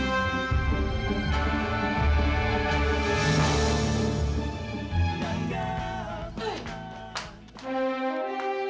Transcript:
ini cuma anak kecil